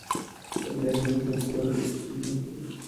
এতে দেখা গেছে, এখনকার শুক্র গ্রহ অতীতে অন্য রকম স্থান ছিল।